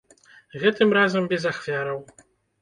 Гэтым разам без ахвяраў.